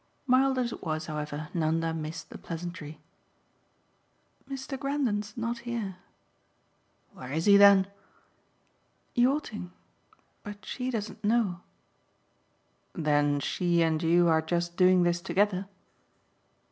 Mild as it was, however, Nanda missed the pleasantry. "Mr. Grendon's not here." "Where is he then?" "Yachting but she doesn't know." "Then she and you are just doing this together?"